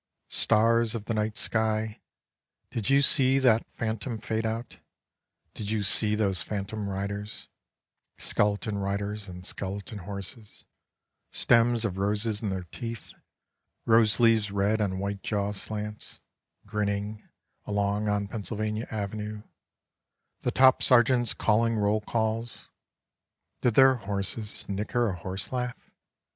Stars of the night sky, did you see that phantom fadeout, did you see those phantom riders, skeleton riders on skeleton horses, stems of roses in their teeth, rose leaves red on white jaw slants, grinning along on Pennsylvania Avenue, the top sergeants calling roll calls — did their horses nicker a horse laugh?